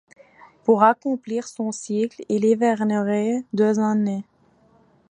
Pour accomplir son cycle il hivernerait deux années.